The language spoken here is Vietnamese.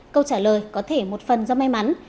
câu trả lời có thể một phần do may mắn